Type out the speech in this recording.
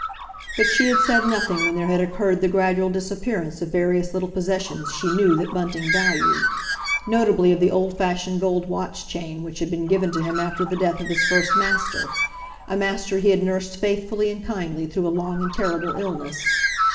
But she had said nothing when there had occurred the gradual disappearance of various little possessions she knew that Bunting valued, notably of the old fashioned gold watch chain which had been given to him after the death of his first master, a master he had nursed faithfully and kindly through a long and terrible illness.